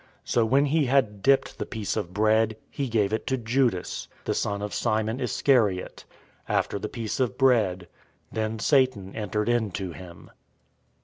So when he had dipped the piece of bread, he gave it to Judas, the son of Simon Iscariot. 013:027 After the piece of bread, then Satan entered into him.